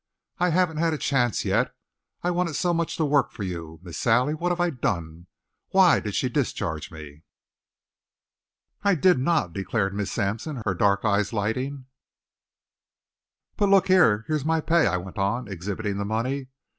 "I haven't had a chance yet. I wanted so much to work for you Miss Sally, what have I done? Why did she discharge me?" "I did not," declared Miss Sampson, her dark eyes lighting. "But look here here's my pay," I went on, exhibiting the money.